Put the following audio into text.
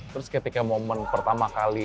terus ketika momen pertama kali